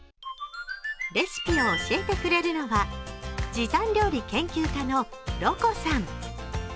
レシピを教えてくれるのは時短料理研究家のろこさん。